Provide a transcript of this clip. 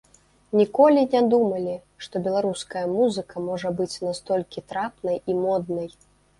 Ніколі не думалі, што беларуская музыка можа быць настолькі трапнай і моднай!